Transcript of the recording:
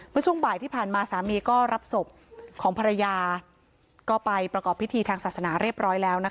ช่วงบ่ายที่ผ่านมาสามีก็รับศพของภรรยาก็ไปประกอบพิธีทางศาสนาเรียบร้อยแล้วนะคะ